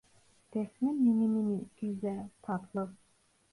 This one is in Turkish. Defne minimini, güzel, tatlı.